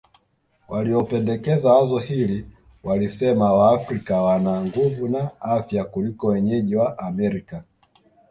Waliopendekeza wazo hili walisema Waafrika wana nguvu na afya kuliko wenyeji wa Amerika